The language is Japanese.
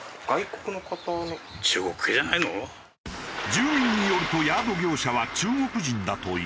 住民によるとヤード業者は中国人だという。